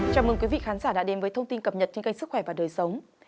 chào mừng quý vị khán giả đã đến với thông tin cập nhật trên kênh sức khỏe và đời sống